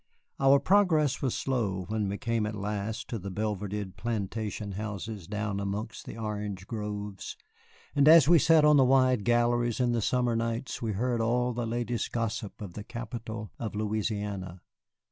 Our progress was slow when we came at last to the belvedered plantation houses amongst the orange groves; and as we sat on the wide galleries in the summer nights, we heard all the latest gossip of the capital of Louisiana.